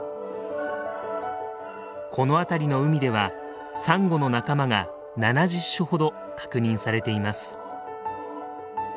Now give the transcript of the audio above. この辺りの海ではサンゴの仲間が７０種ほど確認されています。